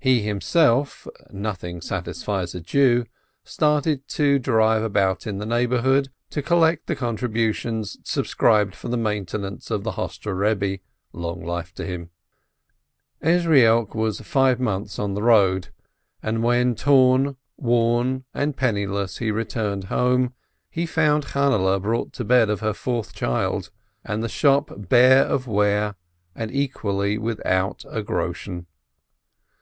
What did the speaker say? He himself (nothing satisfies a Jew!) started to drive about in the neighborhood, to collect the contributions subscribed for the maintenance of the Hostre Rebbe, long life to him ! Ezrielk was five months on the road, and when, torn, worn, and penniless, he returned home, he found Channehle brought to bed of her fourth child, and the shop bare of ware and equally without a groschen.